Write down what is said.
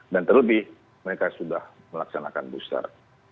dan terlebih mereka sudah melaksanakan booster